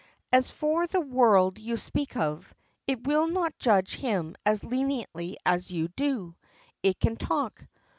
"As for the world you speak of it will not judge him as leniently as you do. It can talk.